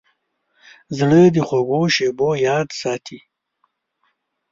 زړه د خوږو شیبو یاد ساتي.